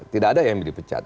tidak ada yang dipecat